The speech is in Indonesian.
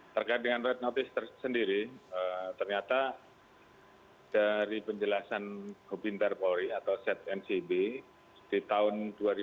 terkait dengan red notice tersendiri ternyata dari penjelasan hub interpolri atau zncb di tahun dua ribu empat belas